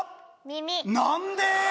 耳なんで！？